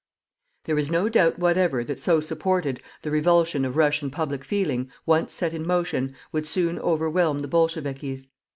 There is no doubt whatever that so supported, the revulsion of Russian public feeling, once set in motion, would soon overwhelm the bolchevikis.